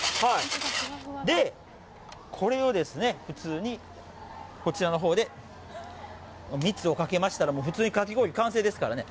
で、これをですね、普通にこちらのほうで蜜をかけましたら、普通にかき氷、完成ですからね。